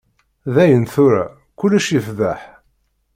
Dayen tura, kullec yefḍeḥ.